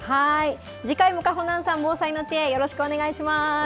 次回もかほなんさん、防災の知恵、よろしくお願いします。